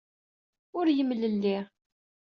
Ur yemlelli.